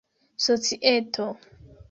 societo